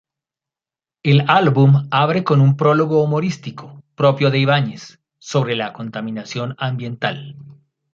El álbum abre con un prólogo humorístico, propio de Ibáñez, sobre la contaminación ambiental.